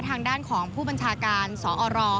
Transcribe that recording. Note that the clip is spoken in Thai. ทางด้านของผู้บัญชาการสอร